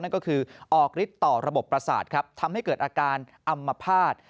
นั่นก็คือออกฤทธิ์ต่อระบบประสาทครับทำให้เกิดอาการอำมภาษณ์